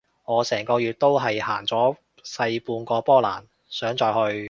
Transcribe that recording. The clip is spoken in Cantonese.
我成個月都係行咗細半個波蘭，想再去